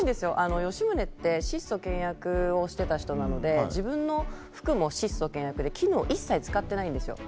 吉宗は質素倹約をしていた人なので自分の服も質素倹約で絹を一切使っていないんです。